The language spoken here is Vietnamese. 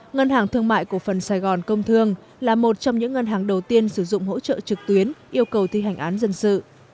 ngân hàng thương mại cổ phần sài gòn công thương là một trong những ngân hàng đầu tiên sử dụng hỗ trợ trực tuyến yêu cầu thi hành án dân sự